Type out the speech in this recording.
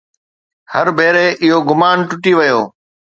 هر ڀيري اهو گمان ٽٽي ويو.